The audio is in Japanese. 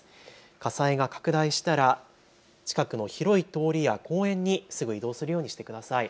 火災が拡大したら近くの広い通りや公園にすぐ移動するようにしてください。